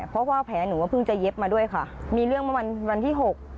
เพราะว่าแผลหนูก็เพิ่งจะเย็บมาด้วยค่ะมีเรื่องเมื่อวันที่หก